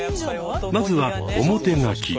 まずは表書き。